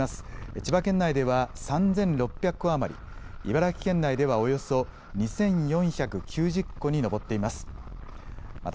千葉県内では３６００戸余り、茨城県内ではおよそ２４９０戸に上っています。